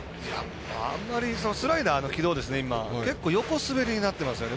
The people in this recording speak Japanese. スライダーの軌道結構、横滑りになってますよね。